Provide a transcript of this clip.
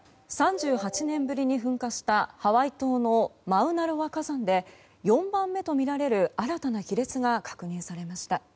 ３８年ぶりに噴火したハワイ島のマウナロア火山で４番目とみられる新たな亀裂が確認されました。